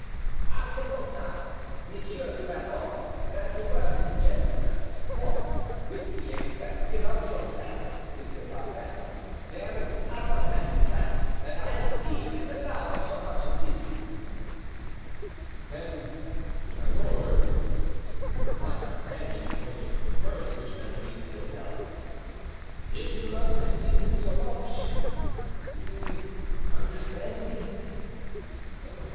"I suppose not. Monsieur du Vallon, that worthy gentleman, for, with the exception of yourself, Monsieur d'Artagnan, there's not a man in France that I esteem and love so much as him——" "Then, my lord," replied D'Artagnan, pointing to the purse which Mazarin still held, "if you love and esteem him so much, you—understand me?"